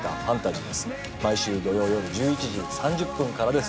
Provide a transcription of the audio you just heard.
毎週土曜よる１１時３０分からです。